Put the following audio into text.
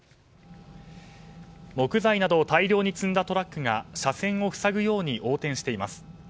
木材などを大量に積んだトラックが車線を塞ぐように横転しています。